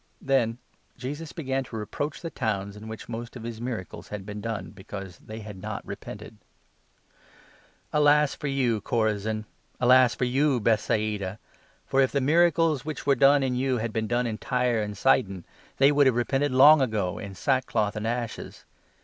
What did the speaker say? The Doom of Then Jesus began to reproach the towns in 20 the Towns of which most of his miracles had been done, be caiiiee. cause they had not repented : "Alas for you, Chorazin ! Alas for you, Bethsaida ! For, if 21 the miracles which were done in you had been done in Tyre and Sidon, they would have repented long ago in sackcloth and ashes.